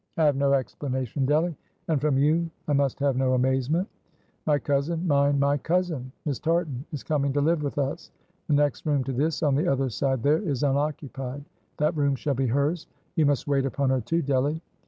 "I have no explanation, Delly; and from you, I must have no amazement. My cousin, mind, my cousin, Miss Tartan, is coming to live with us. The next room to this, on the other side there, is unoccupied. That room shall be hers. You must wait upon her, too, Delly."